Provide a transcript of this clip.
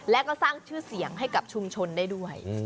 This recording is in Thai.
และก็สร้างชื่อเสียงให้กับชุมชนได้ด้วย